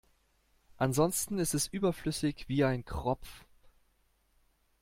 Ansonsten ist es überflüssig wie ein Kropf.